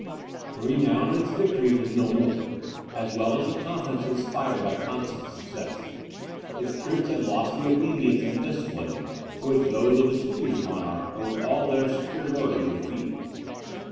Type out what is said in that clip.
The renown of its victories was no more, as well as the confidence inspired by constant success; its troops had lost the obedience and discipline to which those of the Swedish monarch owed all their superiority in the field.